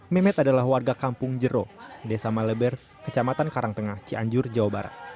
memet adalah warga kampung jero desa maleber kecamatan karangtengah cianjur jawa barat